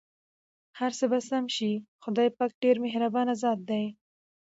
هرڅه به سم شې٬ خدای پاک ډېر مهربان ذات دی.